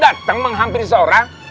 dateng menghampiri seorang